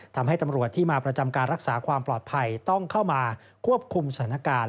ทำให้ตำรวจที่มาประจำการรักษาความปลอดภัยต้องเข้ามาควบคุมสถานการณ์